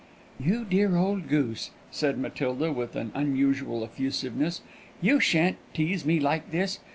"You dear old goose!" said Matilda, with an unusual effusiveness; "you shan't tease me like this!